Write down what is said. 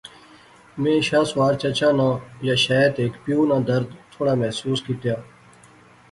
میں شاہ سوار چچا نا یا شیت ہیک پیو ناں درد تھوڑا محسوس کیتیا